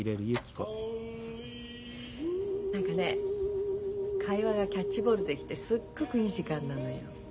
何かね会話がキャッチボールできてすっごくいい時間なのよ。